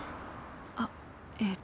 あっえっ